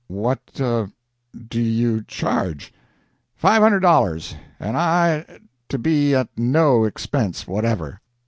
"What do you charge?" "Five hundred dollars, and I to be at no expense whatever."